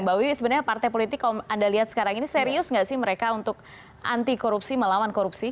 mbak wiwi sebenarnya partai politik kalau anda lihat sekarang ini serius nggak sih mereka untuk anti korupsi melawan korupsi